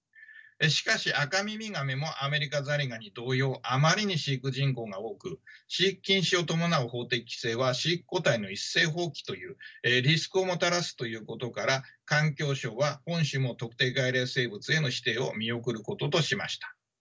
しかしアカミミガメもアメリカザリガニ同様あまりに飼育人口が多く飼育禁止を伴う法的規制は飼育個体の一斉放棄というリスクをもたらすということから環境省は本種も特定外来生物への指定を見送ることとしました。